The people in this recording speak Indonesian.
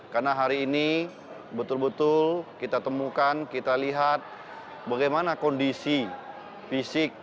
karena hari ini betul betul kita temukan kita lihat bagaimana kondisi fisik